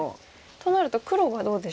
となると黒はどうでしょうか。